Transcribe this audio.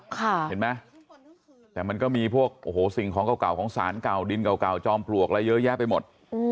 เห็นไหมแต่มันก็มีพวกโอ้โหสิ่งของเก่าของสารเก่าดินเก่าจอมปลวกอะไรเยอะแยะไปหมด